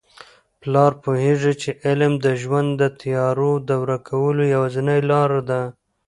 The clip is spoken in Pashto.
پلار پوهیږي چي علم د ژوند د تیارو د ورکولو یوازینۍ لاره ده.